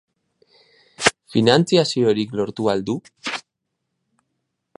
Finantziaziorik lortu al du?